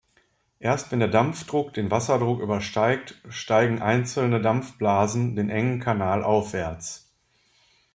Erst wenn der Dampfdruck den Wasserdruck übersteigt, steigen einzelne Dampfblasen den engen Kanal aufwärts.